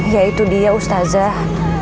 ya itu dia ustazah